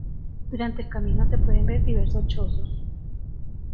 Durante el camino se pueden ver diversos chozos.